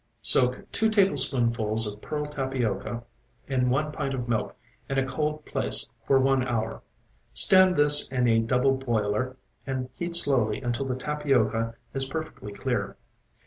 Soak two tablespoonfuls of pearl tapioca in one pint of milk in a cold place for one hour. Stand this in a double boiler and heat slowly until the tapioca is perfectly clear.